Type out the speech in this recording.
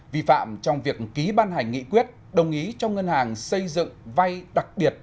vi phạm trong việc ký ban hành nghị quyết đồng ý cho ngân hàng xây dựng vay đặc biệt